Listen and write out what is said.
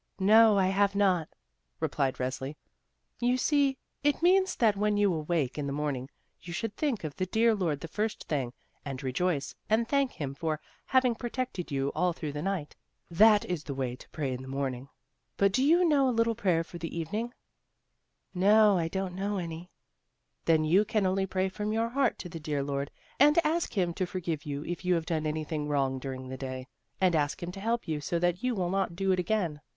"No, I have not," replied Resli. "You see, it means that when you awake in the morning you should think of the dear Lord the first thing, and rejoice, and thank Him for having protected you all through the night. That is the way to pray in the morning. But do you know a little prayer for the evening?" ROSE RESLI'S TROUBLE 41 "No, I don't know any." "Then you can only pray from your heart to the dear Lord, and ask Him to forgive you if you have done anything wrong during the day, and ask Him to help you so that you will not do it again.